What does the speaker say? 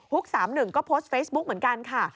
๓๑ก็โพสต์เฟซบุ๊กเหมือนกันค่ะ